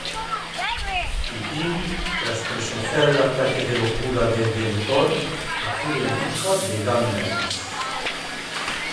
Pippin, tras presenciar el ataque de locura de Denethor, acude en busca de Gandalf.